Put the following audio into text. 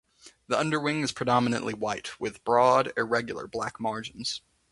The underwing is predominantly white with broad, irregular, black margins.